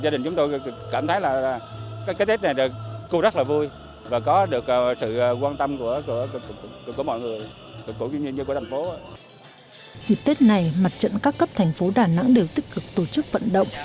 dịp tết này mặt trận các cấp thành phố đà nẵng đều tích cực tổ chức vận động